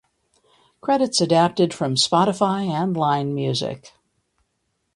Credits adapted from Spotify and Line Music.